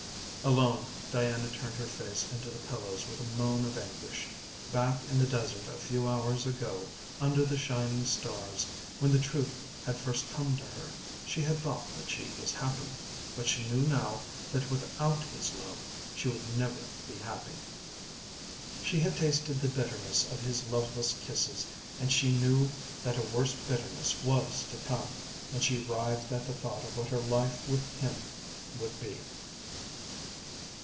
Alone Diana turned her face into the pillows with a moan of anguish. Back in the desert a few hours ago, under the shining stars, when the truth had first come to her, she had thought that she was happy, but she knew now that without his love she would never be happy. She had tasted the bitterness of his loveless kisses and she knew that a worse bitterness was to come, and she writhed at the thought of what her life with him would be.